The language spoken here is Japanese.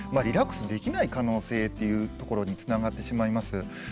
リラックスできない可能性っていうところにつながってしまいます。